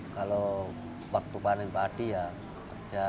kalau waktu panen padi ya kerja